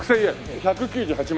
１９８万。